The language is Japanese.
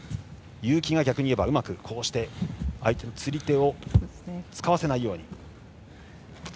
結城が逆にうまく相手の釣り手を使わせないように。